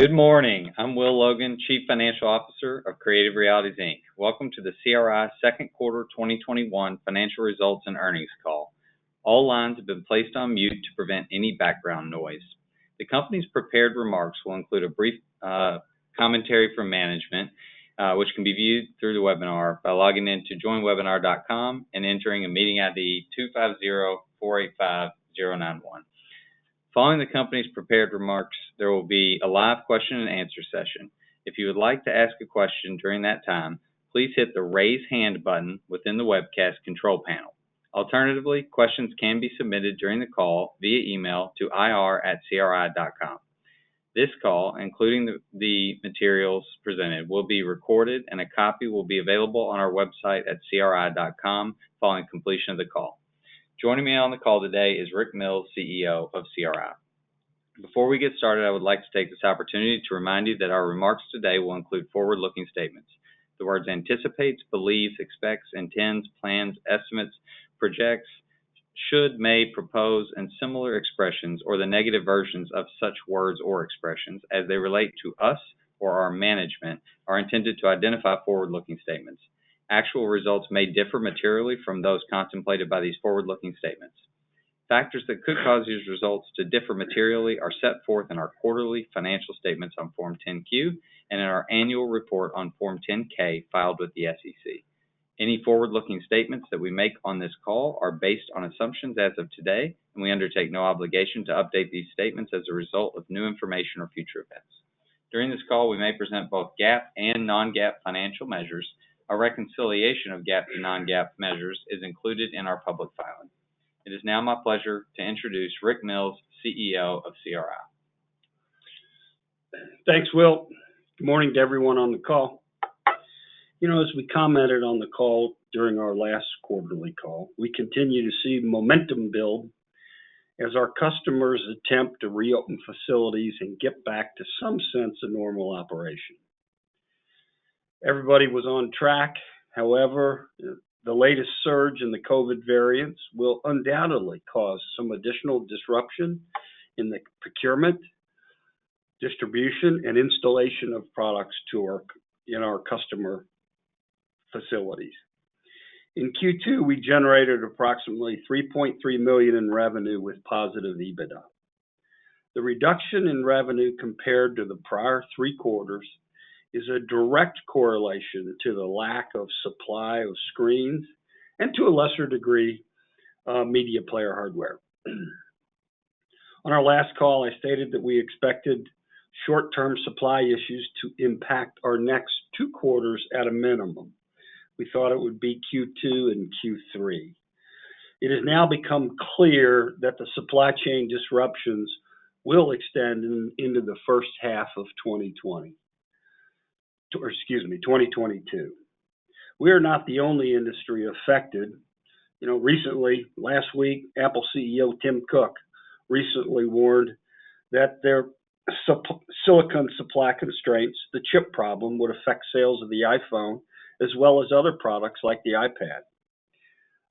Good morning. I'm Will Logan, Chief Financial Officer of Creative Realities, Inc. Welcome to the CRI Second Quarter 2021 Financial Results and Earnings Call. All lines have been placed on mute to prevent any background noise. Following the company's prepared remarks, there will be a live question-and-answer session. This call, including the materials presented, will be recorded and a copy will be available on our website at cri.com following completion of the call. Joining me on the call today is Rick Mills, CEO of CRI. Before we get started, I would like to take this opportunity to remind you that our remarks today will include forward-looking statements. The words anticipates, believes, expects, intends, plans, estimates, projects, should, may, propose, and similar expressions, or the negative versions of such words or expressions as they relate to us or our management, are intended to identify forward-looking statements. Actual results may differ materially from those contemplated by these forward-looking statements. Factors that could cause these results to differ materially are set forth in our quarterly financial statements on Form 10-Q and in our annual report on Form 10-K filed with the SEC. Any forward-looking statements that we make on this call are based on assumptions as of today, and we undertake no obligation to update these statements as a result of new information or future events. During this call, we may present both GAAP and non-GAAP financial measures. A reconciliation of GAAP to non-GAAP measures is included in our public filing. It is now my pleasure to introduce Rick Mills, CEO of CRI. Thanks, Will. Good morning to everyone on the call. As we commented on the call during our last quarterly call, we continue to see the momentum build as our customers attempt to reopen facilities and get back to some sense of normal operation. Everybody was on track. However, the latest surge in the COVID variants will undoubtedly cause some additional disruption in the procurement, distribution, and installation of products in our customer facilities. In Q2, we generated approximately $3.3 million in revenue with positive EBITDA. The reduction in revenue compared to the prior three quarters is a direct correlation to the lack of supply of screens, and to a lesser degree, media player hardware. On our last call, I stated that we expected short-term supply issues to impact our next two quarters at a minimum. We thought it would be Q2 and Q3. It has now become clear that the supply chain disruptions will extend into the first half of 2020. Excuse me, 2022. We are not the only industry affected. Recently, last week, Apple CEO Tim Cook recently warned that their silicon supply constraints, the chip problem, would affect sales of the iPhone as well as other products like the iPad.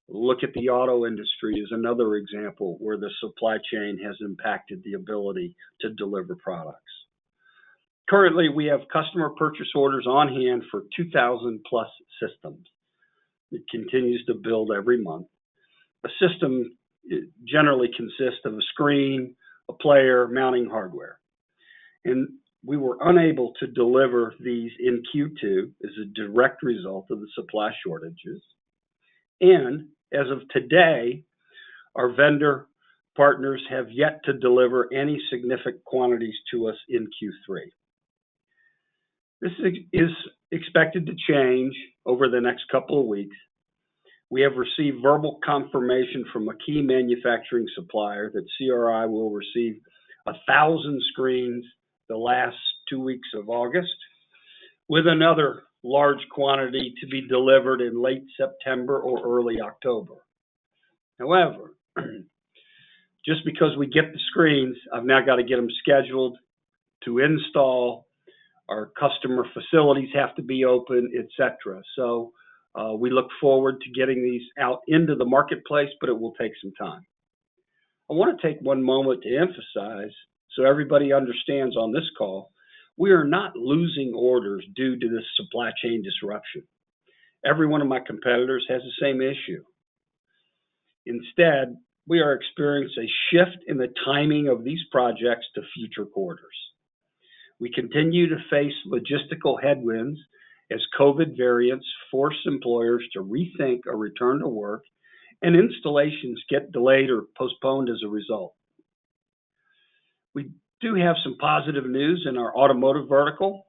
Look at the auto industry as another example where the supply chain has impacted the ability to deliver products. Currently, we have customer purchase orders on hand for 2,000+ systems. It continues to build every month. A system generally consists of a screen, a player, mounting hardware. We were unable to deliver these in Q2 as a direct result of the supply shortages. As of today, our vendor partners have yet to deliver any significant quantities to us in Q3. This is expected to change over the next couple of weeks. We have received verbal confirmation from a key manufacturing supplier that CRI will receive 1,000 screens the last two weeks of August, with another large quantity to be delivered in late September or early October. However, just because we get the screens, I've now got to get them scheduled to install. Our customer facilities have to be open, et cetera. We look forward to getting these out into the marketplace, but it will take some time. I want to take one moment to emphasize so everybody understands on this call, we are not losing orders due to this supply chain disruption. Every one of my competitors has the same issue. Instead, we are experiencing a shift in the timing of these projects to future quarters. We continue to face logistical headwinds as COVID variants force employers to rethink a return to work and installations get delayed or postponed as a result. We do have some positive news in our automotive vertical.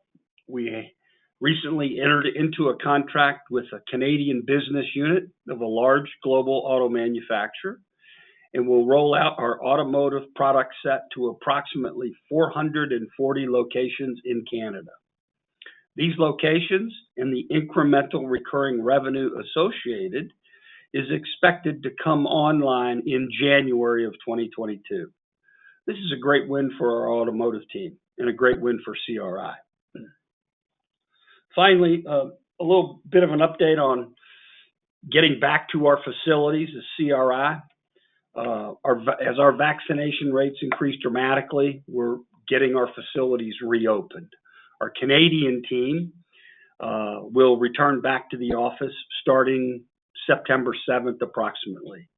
We recently entered into a contract with a Canadian business unit of a large global auto manufacturer, and we'll roll out our automotive product set to approximately 440 locations in Canada. These locations and the incremental recurring revenue associated is expected to come online in January of 2022. This is a great win for our automotive team and a great win for CRI. Finally, a little bit of an update on getting back to our facilities as CRI. As our vaccination rates increase dramatically, we're getting our facilities reopened. Our Canadian team will return back to the office starting September 7th, approximately.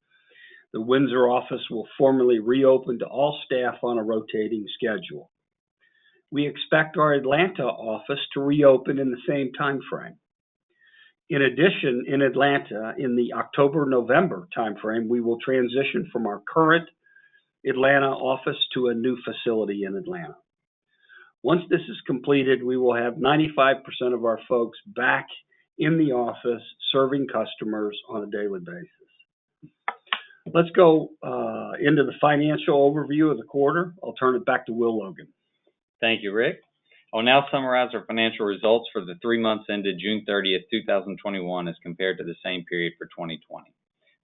The Windsor office will formally reopen to all staff on a rotating schedule. We expect our Atlanta office to reopen in the same timeframe. In addition, in Atlanta, in the October-November timeframe, we will transition from our current Atlanta office to a new facility in Atlanta. Once this is completed, we will have 95% of our folks back in the office serving customers on a daily basis. Let's go into the financial overview of the quarter. I'll turn it back to Will Logan. Thank you, Rick. I'll now summarize our financial results for the three months ended June 30th, 2021, as compared to the same period for 2020.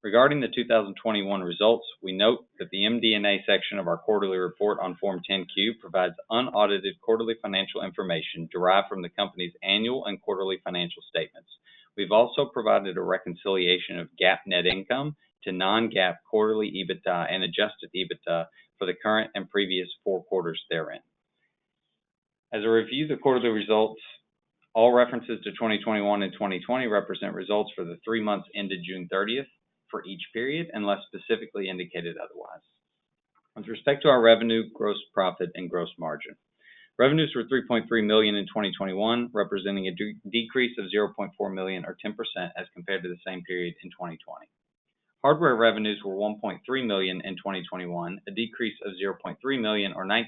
Regarding the 2021 results, we note that the MD&A section of our quarterly report on Form 10-Q provides unaudited quarterly financial information derived from the company's annual and quarterly financial statements. We've also provided a reconciliation of GAAP net income to non-GAAP quarterly EBITDA and adjusted EBITDA for the current and previous four quarters therein. As I review the quarterly results, all references to 2021 and 2020 represent results for the three months ended June 30th for each period, unless specifically indicated otherwise. With respect to our revenue, gross profit, and gross margin. Revenues were $3.3 million in 2021, representing a decrease of $0.4 million or 10% as compared to the same period in 2020. Hardware revenues were $1.3 million in 2021, a decrease of $0.3 million or 19%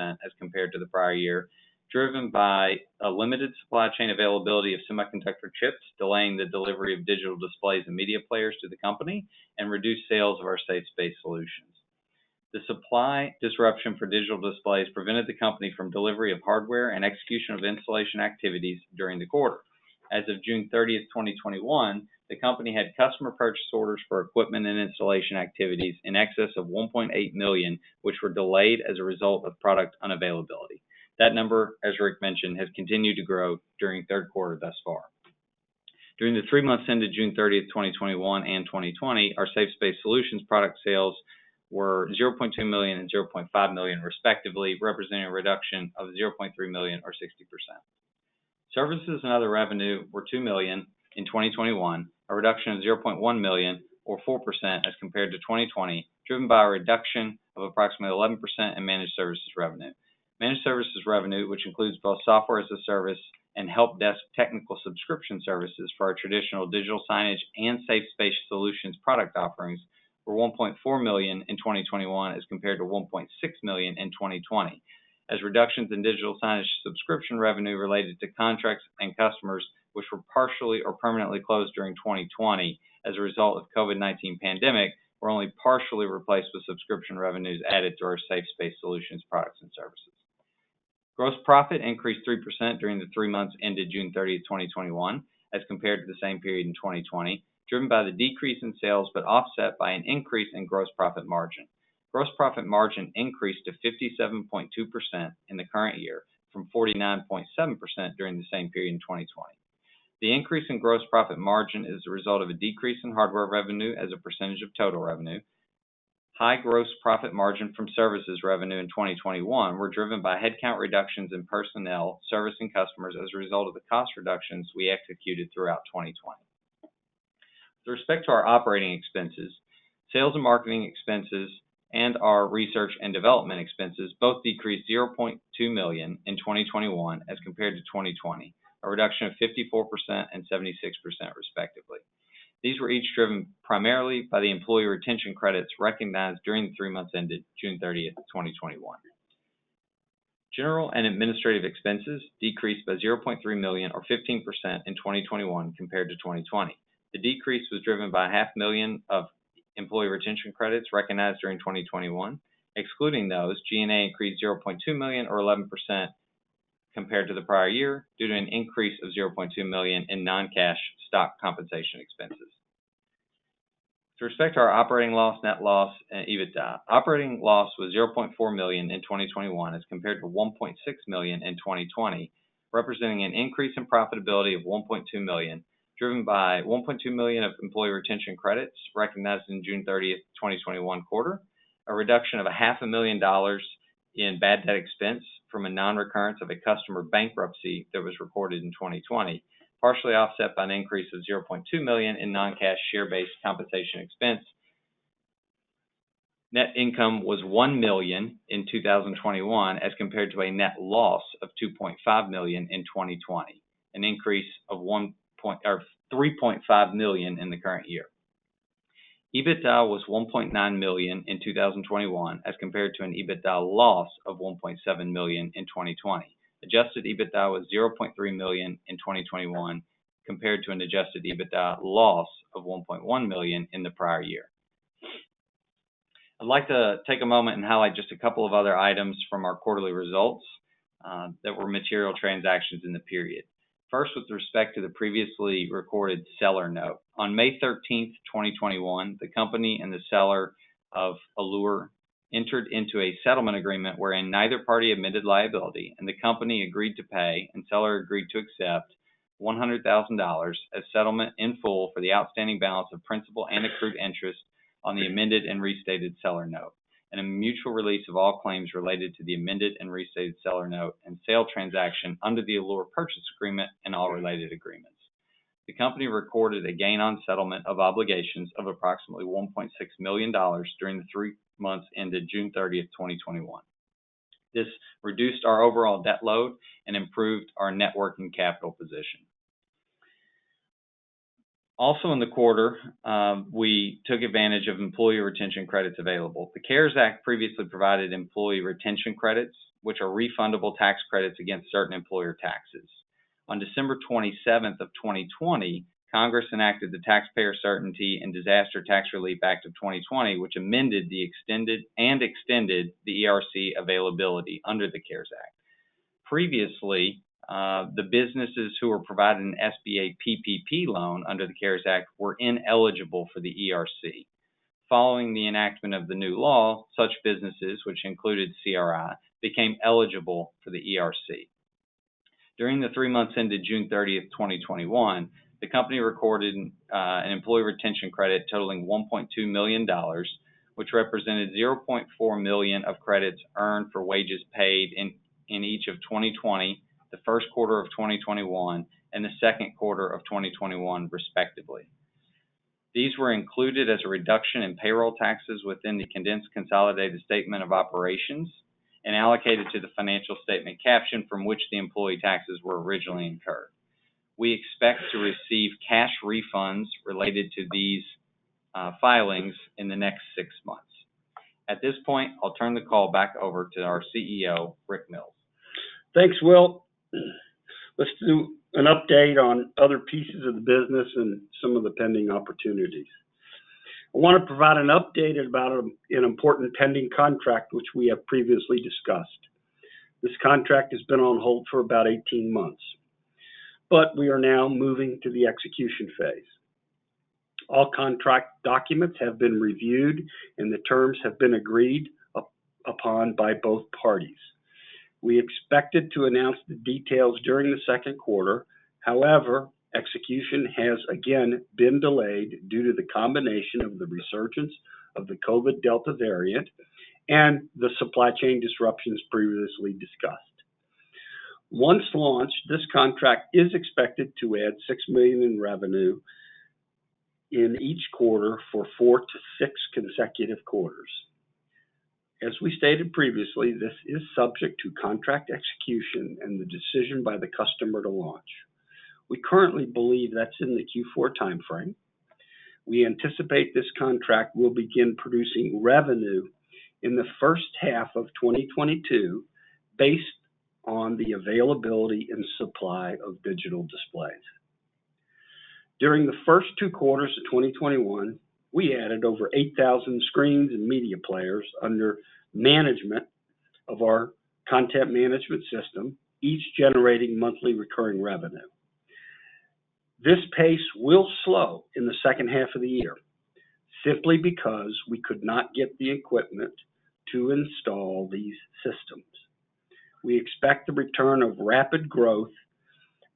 as compared to the prior year, driven by a limited supply chain availability of semiconductor chips, delaying the delivery of digital displays and media players to the company, and reduced sales of our Safe Space Solutions. The supply disruption for digital displays prevented the company from delivery of hardware and execution of installation activities during the quarter. As of June 30th, 2021, the company had customer purchase orders for equipment and installation activities in excess of $1.8 million, which were delayed as a result of product unavailability. That number, as Rick mentioned, has continued to grow during third quarter thus far. During the three months ended June 30th, 2021 and 2020, our Safe Space Solutions product sales were $0.2 million and $0.5 million, respectively, representing a reduction of $0.3 million or 60%. Services and other revenue were $2 million in 2021, a reduction of $0.1 million or 4% as compared to 2020, driven by a reduction of approximately 11% in managed services revenue. Managed services revenue, which includes both software as a service and help desk technical subscription services for our traditional digital signage and Safe Space Solutions product offerings, were $1.4 million in 2021 as compared to $1.6 million in 2020, as reductions in digital signage subscription revenue related to contracts and customers, which were partially or permanently closed during 2020 as a result of COVID-19 pandemic, were only partially replaced with subscription revenues added to our Safe Space Solutions products and services. Gross profit increased 3% during the three months ended June 30th, 2021 as compared to the same period in 2020, driven by the decrease in sales but offset by an increase in gross profit margin. Gross profit margin increased to 57.2% in the current year from 49.7% during the same period in 2020. The increase in gross profit margin is the result of a decrease in hardware revenue as a percentage of total revenue. High gross profit margin from services revenue in 2021 were driven by headcount reductions in personnel servicing customers as a result of the cost reductions we executed throughout 2020. With respect to our operating expenses, sales and marketing expenses and our research and development expenses both decreased $0.2 million in 2021 as compared to 2020, a reduction of 54% and 76%, respectively. These were each driven primarily by the Employee Retention Credits recognized during the three months ended June 30th, 2021. General and administrative expenses decreased by $0.3 million or 15% in 2021 compared to 2020. The decrease was driven by a half million of Employee Retention Credits recognized during 2021. Excluding those, G&A increased $0.2 million or 11% compared to the prior year, due to an increase of $0.2 million in non-cash stock compensation expenses. With respect to our operating loss, net loss, and EBITDA, operating loss was $0.4 million in 2021 as compared to $1.6 million in 2020, representing an increase in profitability of $1.2 million, driven by $1.2 million of employee retention credits recognized in June 30th, 2021 quarter. A reduction of a half a million dollars in bad debt expense from a non-recurrence of a customer bankruptcy that was recorded in 2020, partially offset by an increase of $0.2 million in non-cash share-based compensation expense. Net income was $1 million in 2021 as compared to a net loss of $2.5 million in 2020, an increase of $3.5 million in the current year. EBITDA was $1.9 million in 2021 as compared to an EBITDA loss of $1.7 million in 2020. Adjusted EBITDA was $0.3 million in 2021, compared to an adjusted EBITDA loss of $1.1 million in the prior year. I'd like to take a moment and highlight just a couple of other items from our quarterly results that were material transactions in the period. First, with respect to the previously recorded seller note. On May 13th, 2021, the company and the seller of Allure entered into a settlement agreement wherein neither party admitted liability and the company agreed to pay and seller agreed to accept $100,000 as settlement in full for the outstanding balance of principal and accrued interest on the amended and restated seller note, and a mutual release of all claims related to the amended and restated seller note and sale transaction under the Allure purchase agreement and all related agreements. The company recorded a gain on settlement of obligations of approximately $1.6 million during the three months ended June 30th, 2021. This reduced our overall debt load and improved our net working capital position. Also in the quarter, we took advantage of employee retention credits available. The CARES Act previously provided employee retention credits, which are refundable tax credits against certain employer taxes. On December 27th of 2020, Congress enacted the Taxpayer Certainty and Disaster Tax Relief Act of 2020, which amended and extended the ERC availability under the CARES Act. Previously, the businesses who were provided an SBA PPP loan under the CARES Act were ineligible for the ERC. Following the enactment of the new law, such businesses, which included CRI, became eligible for the ERC. During the three months ended June 30th, 2021, the company recorded an employee retention credit totaling $1.2 million, which represented $0.4 million of credits earned for wages paid in each of 2020, the first quarter of 2021, and the second quarter of 2021, respectively. These were included as a reduction in payroll taxes within the condensed consolidated statement of operations and allocated to the financial statement caption from which the employee taxes were originally incurred. We expect to receive cash refunds related to these filings in the next six months. At this point, I'll turn the call back over to our CEO, Rick Mills. Thanks, Will. Let's do an update on other pieces of the business and some of the pending opportunities. I want to provide an update about an important pending contract which we have previously discussed. This contract has been on hold for about 18 months, but we are now moving to the execution phase. All contract documents have been reviewed and the terms have been agreed upon by both parties. We expected to announce the details during the second quarter. However, execution has again been delayed due to the combination of the resurgence of the COVID Delta variant and the supply chain disruptions previously discussed. Once launched, this contract is expected to add $6 million in revenue in each quarter for four-six consecutive quarters. As we stated previously, this is subject to contract execution and the decision by the customer to launch. We currently believe that's in the Q4 timeframe. We anticipate this contract will begin producing revenue in the first half of 2022 based on the availability and supply of digital displays. During the first two quarters of 2021, we added over 8,000 screens and media players under management of our content management system, each generating monthly recurring revenue. This pace will slow in the second half of the year simply because we could not get the equipment to install these systems. We expect the return of rapid growth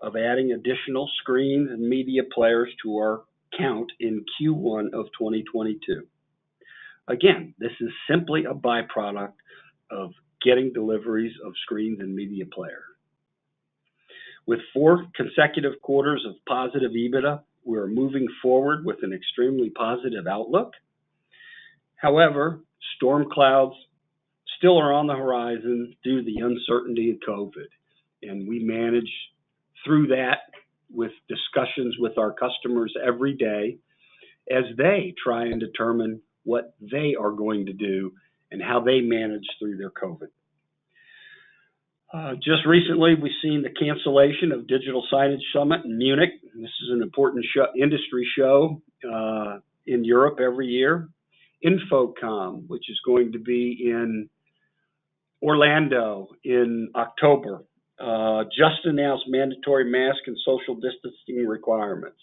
of adding additional screen and media players to our count in Q1 of 2022. Again, this is simply a by-product of getting deliveries of screens and media player. With four consecutive quarters of positive EBITDA, we are moving forward with an extremely positive outlook. Storm clouds still are on the horizon due to the uncertainty of COVID, and we manage through that with discussions with our customers every day as they try and determine what they are going to do and how they manage through their COVID. Just recently, we've seen the cancellation of Digital Signage Summit in Munich. InfoComm, which is going to be in Orlando in October, just announced mandatory mask and social distancing requirements.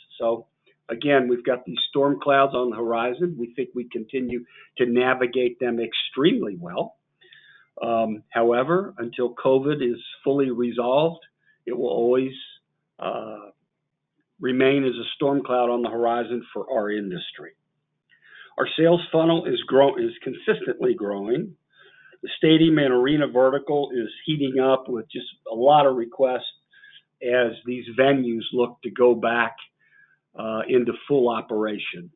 Again, we've got these storm clouds on the horizon. We think we continue to navigate them extremely well. Until COVID is fully resolved, it will always remain as a storm cloud on the horizon for our industry. Our sales funnel is consistently growing. The stadium and arena vertical is heating up with just a lot of requests as these venues look to go back into full operation.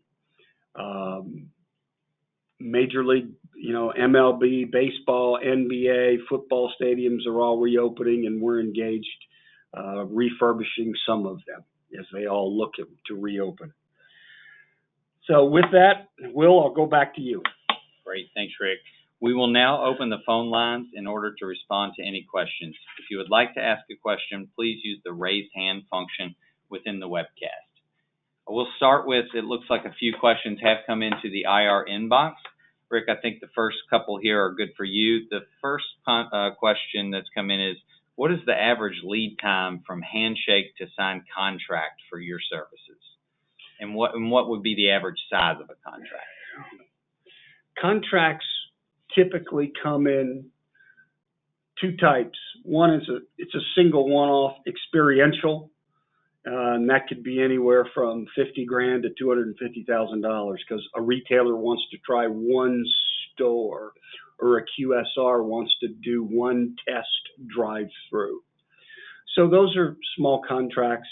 Major League Baseball, NBA, football stadiums are all reopening, and we're engaged refurbishing some of them as they all look to reopen. With that, Will, I'll go back to you. Great. Thanks, Rick. We will now open the phone lines in order to respond to any questions. If you would like to ask a question, please use the raise hand function within the webcast. We'll start with, it looks like a few questions have come into the IR inbox. Rick, I think the first couple here are good for you. The first question that's come in is, what is the average lead time from handshake to signed contract for your services? What would be the average size of a contract? Contracts typically come in two types. One is a single one-off experiential, that could be anywhere from $50,000-$250,000 because a retailer wants to try one store, or a QSR wants to do one test drive-through. Those are small contracts,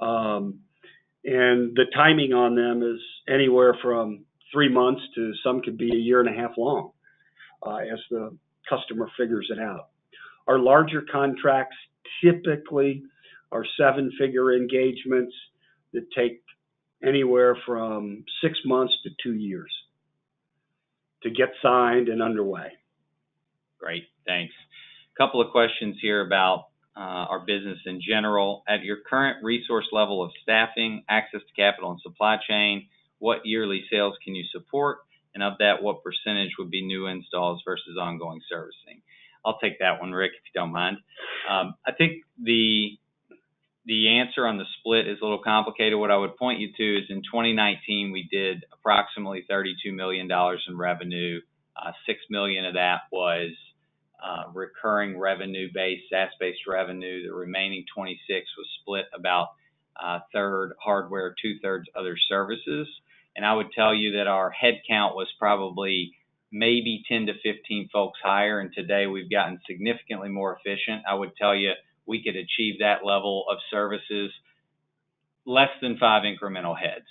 the timing on them is anywhere from three months to some could be a year and a half long as the customer figures it out. Our larger contracts typically are seven-figure engagements that take anywhere from six months to two years to get signed and underway. Great. Thanks. Couple of questions here about our business in general. At your current resource level of staffing, access to capital, and supply chain, what yearly sales can you support? Of that, what percentage would be new installs versus ongoing servicing? I'll take that one, Rick, if you don't mind. I think the answer on the split is a little complicated. What I would point you to is in 2019, we did approximately $32 million in revenue. $6 million of that was recurring revenue base, SaaS-based revenue. The remaining $26 million was split about a third hardware, two-thirds other services. I would tell you that our headcount was probably maybe 10-15 folks higher, and today we've gotten significantly more efficient. I would tell you we could achieve that level of services, less than five incremental heads.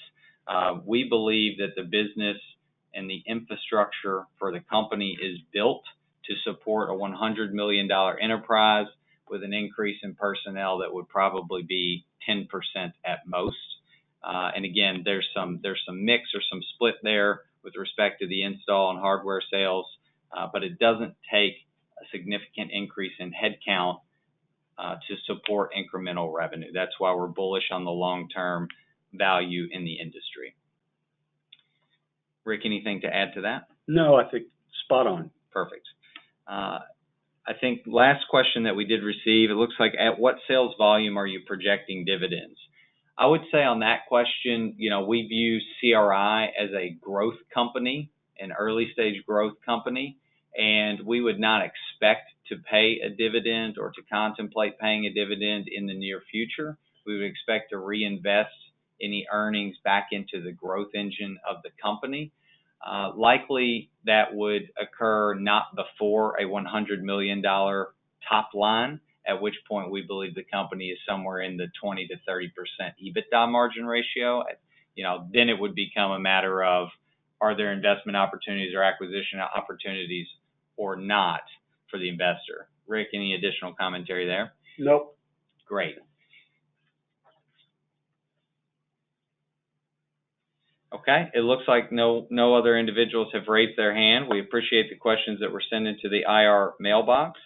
We believe that the business and the infrastructure for the company is built to support a $100 million enterprise with an increase in personnel that would probably be 10% at most. Again, there's some mix or some split there with respect to the install and hardware sales, but it doesn't take a significant increase in headcount to support incremental revenue. That's why we're bullish on the long-term value in the industry. Rick, anything to add to that? No, I think spot on. Perfect. I think last question that we did receive, it looks like, at what sales volume are you projecting dividends? I would say on that question, we view CRI as a growth company, an early-stage growth company, and we would not expect to pay a dividend or to contemplate paying a dividend in the near future. We would expect to reinvest any earnings back into the growth engine of the company. Likely, that would occur not before $100 million top line, at which point we believe the company is somewhere in the 20%-30% EBITDA margin ratio. It would become a matter of, are there investment opportunities or acquisition opportunities or not for the investor? Rick, any additional commentary there? Nope. Great. Okay. It looks like no other individuals have raised their hand. We appreciate the questions that were sent into the IR mailbox.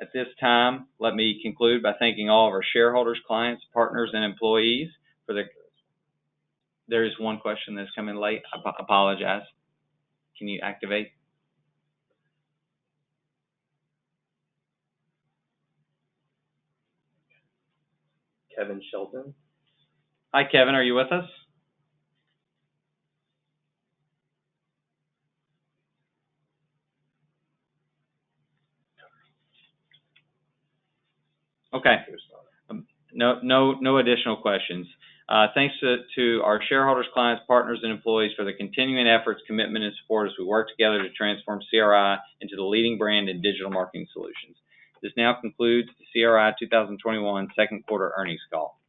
At this time, let me conclude by thanking all of our shareholders, clients, partners, and employees. There is one question that's come in late. I apologize. Can you activate? Kevin Shelton. Hi, Kevin. Are you with us? Okay. He's not. No additional questions. Thanks to our shareholders, clients, partners, and employees for the continuing efforts, commitment, and support as we work together to transform CRI into the leading brand in digital marketing solutions. This now concludes the CRI 2021 Second Quarter Earnings Call. Thank you.